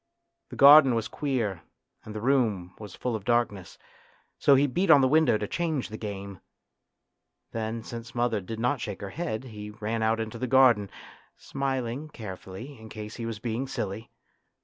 The garden was queer and the room was full of darkness, so he beat on the window to change the game. Then, since mother did not shake her head, he ran A TRAGEDY IN LITTLE 91 out into the garden, smiling carefully in case he was being silly.